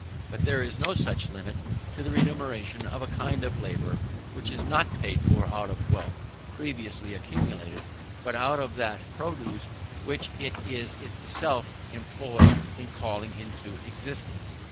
But there is no such limit to the remuneration of a kind of labour which is not paid for out of wealth previously accumulated, but out of that produce which it is itself employed in calling into existence.